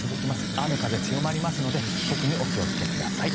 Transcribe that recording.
雨風強まりますので特にお気をつけください。